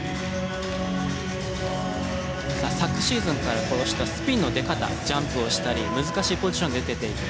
昨シーズンからこうしたスピンの出方ジャンプをしたり難しいポジションで出ていく。